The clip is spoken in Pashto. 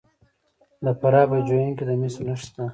د فراه په جوین کې د مسو نښې شته.